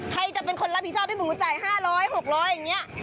ใครจะเป็นคนรับผิดชอบให้หมูจ่าย๕๐๐๖๐๐อย่างนี้